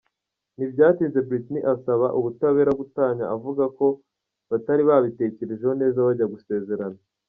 Ntibyatinze Britney asaba ubutabera gatanya avuga ko batari babitekerejeho neza bajya gusezerana.